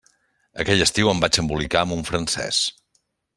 Aquell estiu em vaig embolicar amb un francès.